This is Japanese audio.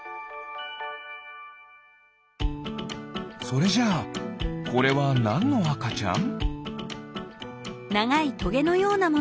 それじゃあこれはなんのあかちゃん？